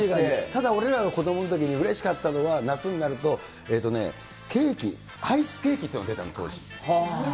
ただ俺らの子どものころでうれしかったのは、夏になると、えっとね、ケーキ、アイスケーキっていうのが出たの、当時。